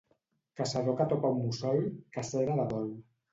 Caçador que topa un mussol, cacera de dol.